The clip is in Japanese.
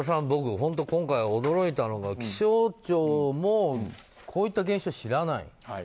僕、今回驚いたのが気象庁もこういった現象を知らない。